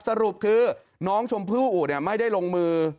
สรุปคือน้องชมพู่อุไม่ได้ลงมือ